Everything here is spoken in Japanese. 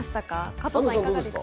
加藤さん、いかがですか？